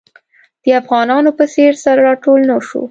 د افغانانو په څېر سره راټول نه شو.